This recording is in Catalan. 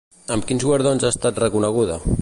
Amb quins guardons ha estat reconeguda?